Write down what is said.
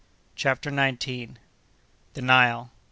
CHAPTER NINETEENTH. The Nile.